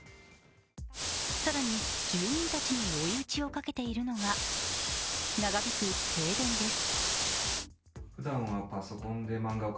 更に住民たちに追い打ちをかけているのが長引く停電です。